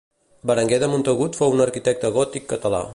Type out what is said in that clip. Berenguer de Montagut fou un arquitecte gòtic català